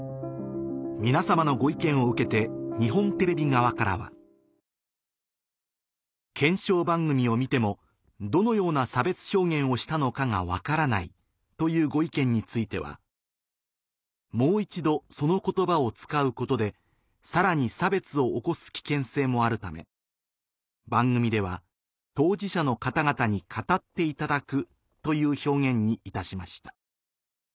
皆様のご意見を受けて日本テレビ側からは「検証番組を見てもどのような差別表現をしたのかが分からないというご意見についてはもう一度その言葉を使うことでさらに差別を起こす危険性もあるため番組では当事者の方々に語っていただくという表現にいたしました」